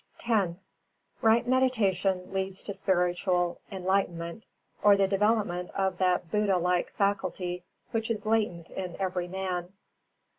X Right Meditation leads to spiritual enlightenment, or the development of that Buddha like faculty which is latent in every man.